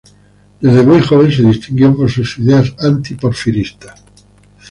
Desde muy joven se distinguió por sus ideas anti porfiristas.